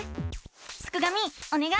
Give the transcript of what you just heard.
すくがミおねがい！